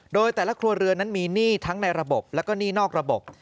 โดยแต่ละครัวเรือนนั้นมีหนี้ทั้งในระบบแล้วก็หนี้นอกระบบ